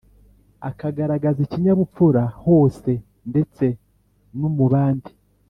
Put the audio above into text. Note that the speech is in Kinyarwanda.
akagaragaza ikinyabupfura hose ndetse numubandi